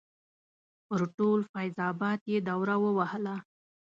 پر ټول فیض اباد یې دوره ووهله.